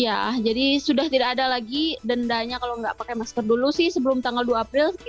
iya jadi sudah tidak ada lagi dendanya kalau nggak pakai masker dulu sih sebelum tanggal dua april